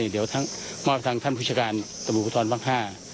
เดี๋ยวทั้งมอบทางท่านผู้ชายการตะบุคทรวงศ์ภาคห้า